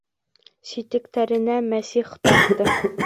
Ситектәренә мәсих тартты.